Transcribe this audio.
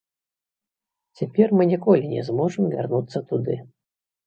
Цяпер мы ніколі не зможам вярнуцца туды.